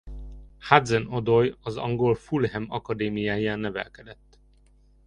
Hudson-Odoi az angol Fulham akadémiáján nevelkedett.